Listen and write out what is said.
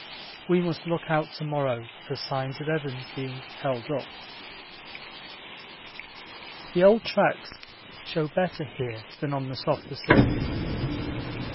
We must look out to morrow for signs of Evans being 'held up.' The old tracks show better here than on the softer surface.